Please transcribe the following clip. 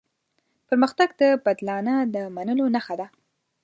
پرمختګ د بدلانه د منلو نښه ده.